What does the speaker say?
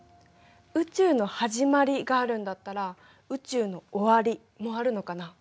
「宇宙のはじまり」があるんだったら「宇宙の終わり」もあるのかな？